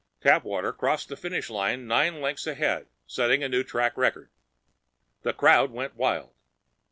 Tapwater crossed the finish line nine lengths ahead, setting a new track record. The crowd went wild.